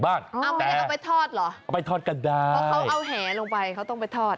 พี่จะเอาไปทอดหรอเอาไปทอดกันได้เพราะเขาเอาแหลลงไปเขาต้องทอด